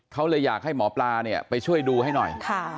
เขาเลยอยากให้หมอปลาเนี่ยไปช่วยดูให้หน่อย